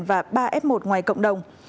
và ba f một ngoài cộng đồng